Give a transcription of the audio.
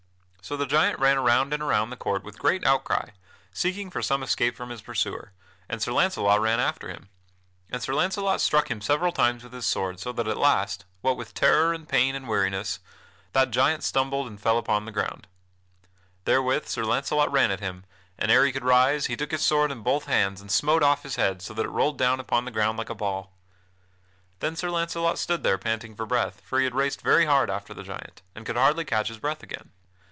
So the giant ran around and around the court with great outcry, seeking for some escape from his pursuer, and Sir Launcelot ran after him. And Sir Launcelot struck him several times with his sword, so that at last, what with terror and pain and weariness, that giant stumbled and fell upon the ground. Therewith Sir Launcelot ran at him, and, ere he could rise, he took his sword in both hands and smote off his head so that it rolled down upon the ground like a ball. Then Sir Launcelot stood there panting for breath, for he had raced very hard after the giant, and could hardly catch his breath again.